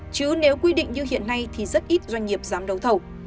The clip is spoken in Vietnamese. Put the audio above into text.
chứ nếu quy định như hiện nay thì rất ít doanh nghiệp dám đấu thầu